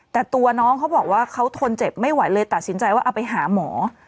แต่ตัวน้องเขาบอกว่าเขาทนเจ็บไม่ไหวเลยตัดสินใจว่าเอาไปหาหมอ